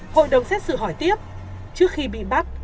hội đồng xét xử hỏi tiếp trước khi bị bắt